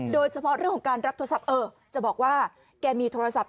โดยเฉพาะเรื่องของการรับโทรศัพท์